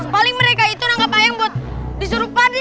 paling mereka itu nangkap ayam buat disuruh pandi